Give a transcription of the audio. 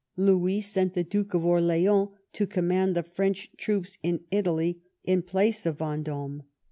Louis sent the Duke of Orleans to com mand the French troops in Italy in place of Vendome.